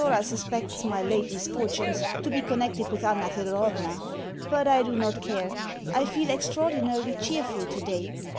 Thedora suspects my late misfortunes to be connected with Anna Thedorovna; but I do not care I feel extraordinarily cheerful today.